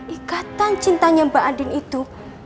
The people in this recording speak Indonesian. ikatan cintanya mbak andin itu